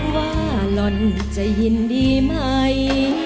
หว่าหลอนจะยินดีมั้ย